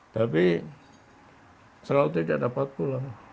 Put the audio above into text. tapi selalu tidak dapat pulang